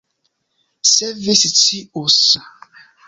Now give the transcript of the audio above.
Se vi scius!